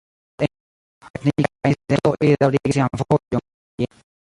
Malgraŭ teknika incidento, ili daŭrigis sian vojon orienten.